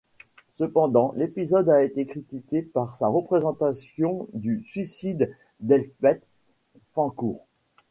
Cependant, l'épisode a été critiqué pour sa représentation du suicide d'Elspeth Fancourt.